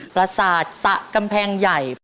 ประสาทสะกำแพงใหญ่